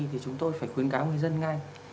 thì chúng tôi phải khuyến cáo người dân ngay